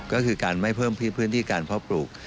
ก็คือการไม่เพิ่มพื้นที่การเพาะปลูก